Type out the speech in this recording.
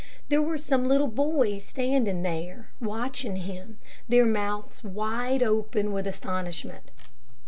There were some little boys standing there, watching him, their mouths wide open with astonishment.